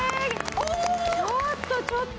ちょっとちょっと。